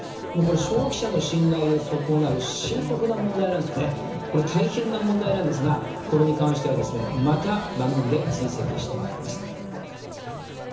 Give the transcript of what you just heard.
消費者の信頼を損なう深刻な問題なんですよねこれ大変な問題なんですがこれに関してはまた番組で追跡して参ります